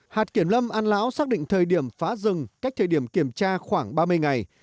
hạt kiểm lâm an lão xác định thời điểm phá rừng cách thời điểm kiểm tra khoảng ba mươi ngày